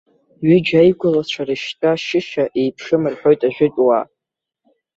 Ҩыџьа аигәылацәа рышьтәа шьышьа еиԥшым рҳәоит ажәытәуаа.